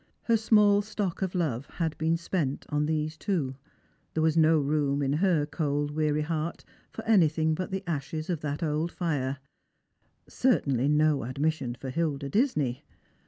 Her small stock of love had been spent on these two. There was no room in her cold weary heart for anything but the ashes of that old fire — certainly no admis sion for Hilda Disney.